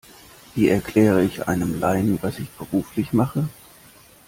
Wie erkläre ich einem Laien, was ich beruflich mache?